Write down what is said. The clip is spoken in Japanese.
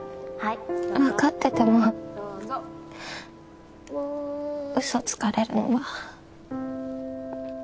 はいわかっててもウソつかれるのは。